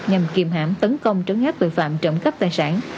nhằm kiềm hãm tấn công trấn áp tội phạm trộm cắp tài sản